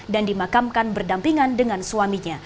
dan dimakamkan berdampingan dengan suaminya